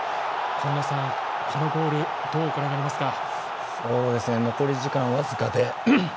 今野さん、このゴールどうご覧になりますか？